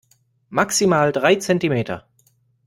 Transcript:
Maximal drei Zentimeter.